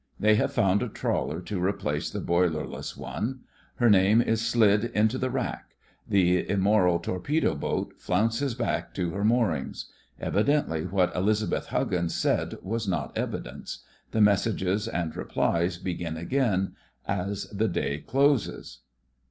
They have found a trawler to replace the boil erless one. Her name is slid into THE FRINGES OF THE FLEET 33 the rack. The immoral torpedo boat flounces back to her moorings. Evi dently what Elizabeth Huggins said was not evidence. The messages and replies begin again as the day closes.